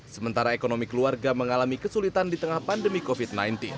sementara ekonomi keluarga mengalami kesulitan di tengah pandemi covid sembilan belas